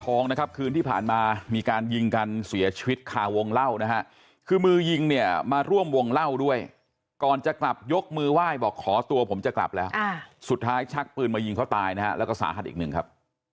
คืนที่ผ่านมามีการยิงกันเสียชีวิตคาวงเล่านะฮะคือมือยิงเนี่ยมาร่วมวงเล่าด้วยก่อนจะกลับยกมือไหว้บอกขอตัวผมจะกลับแล้วสุดท้ายชักปืนมายิงเขาตายนะฮะแล้วก็สาหัสอีกหนึ่งครับ